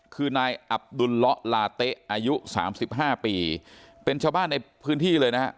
คือนายอับดุลละลาเตะอายุ๓๕ปีเป็นชาวบ้านในพื้นที่เลยนะ